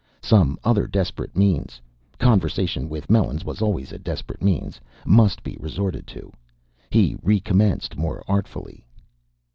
Some other desperate means conversation with Melons was always a desperate means must be resorted to. He recommenced more artfully.